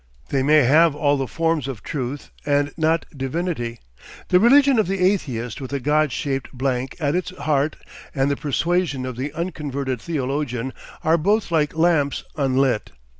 They may have all the forms of truth and not divinity. The religion of the atheist with a God shaped blank at its heart and the persuasion of the unconverted theologian, are both like lamps unlit.